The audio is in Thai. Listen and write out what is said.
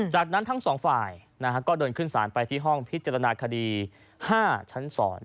จากนั้นทั้งสองฝ่ายก็เดินขึ้นสารไปที่ห้องพิจารณาคดี๕ชั้น๒